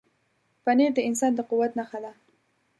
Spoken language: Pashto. پنېر د انسان د قوت نښه ده.